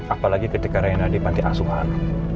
apalagi ketika rena di panti asuhan